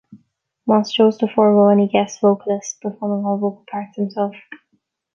Moss chose to forgo any guest vocalists, performing all vocal parts himself.